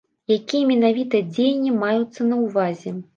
Якія менавіта дзеянні маюцца на ўвазе?